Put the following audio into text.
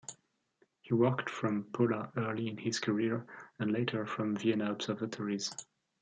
He worked from Pola early in his career and later from Vienna observatories.